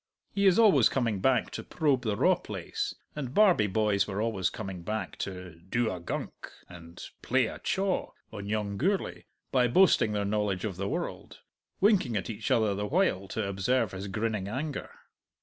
He is always coming back to probe the raw place, and Barbie boys were always coming back to "do a gunk" and "play a chaw" on young Gourlay by boasting their knowledge of the world, winking at each other the while to observe his grinning anger.